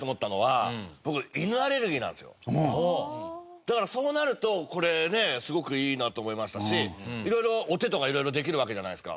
だからそうなるとこれねすごくいいなと思いましたし色々お手とか色々できるわけじゃないですか。